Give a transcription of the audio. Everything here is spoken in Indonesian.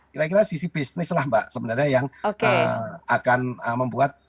kira kira sisi bisnis lah mbak sebenarnya yang akan membuat